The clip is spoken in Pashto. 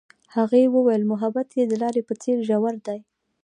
هغې وویل محبت یې د لاره په څېر ژور دی.